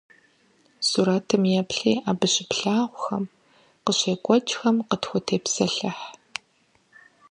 Сурэтым еплъи абы щыплъагъухэм, къыщекӏуэкӏхэм къытхутепсэлъыхь.